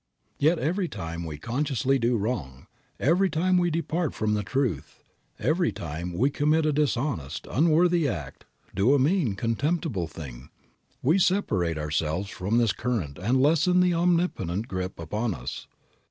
Yet every time we consciously do wrong, every time we depart from the truth, every time we commit a dishonest, unworthy act, do a mean, contemptible thing, we separate ourselves from this current and lessen the omnipotent grip upon us.